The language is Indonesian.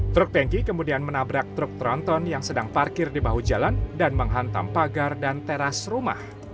truk tanki kemudian menabrak truk tronton yang sedang parkir di bahu jalan dan menghantam pagar dan teras rumah